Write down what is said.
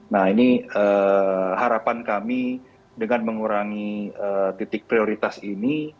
nah ini harapan kami dengan mengurangi titik prioritas ini